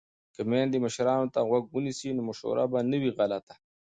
که میندې مشرانو ته غوږ ونیسي نو مشوره به نه وي غلطه.